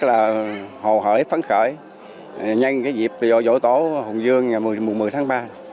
là hồ hởi phấn khởi nhanh cái dịp dỗ tổ hùng dương mùa một mươi tháng ba